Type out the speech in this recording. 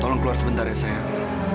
tolong keluar sebentar ya sehat